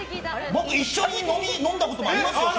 僕、一緒に飲んだこともありますよ！